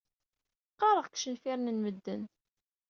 Qqareɣ deg yicenfiren n medden.